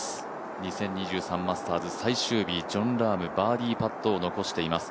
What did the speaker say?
２０２３マスターズ最終日、ジョン・ラーム、バーディーパットを残しています。